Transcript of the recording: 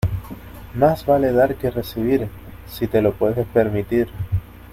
Más vale dar que recibir, si te lo puedes permitir.